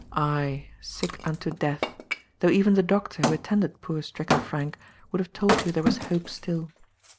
Aye ! sick unto death, though even the doctor who attended poor stricken Frank would have told you there was hope still.